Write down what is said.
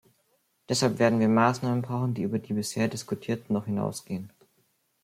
Deshalb werden wir Maßnahmen brauchen, die über die bisher diskutierten noch hinausgehen.